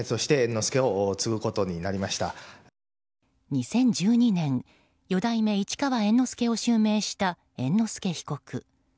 ２０１２年四代目市川猿之助を襲名した猿之助被告。